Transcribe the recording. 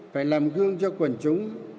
phải làm gương cho quần chúng